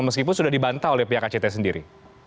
meskipun sudah dibantah oleh pihak act sendiri